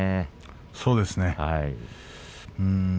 そうですね。